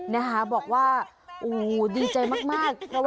นะคะบอกว่าโอ้ดีใจมาก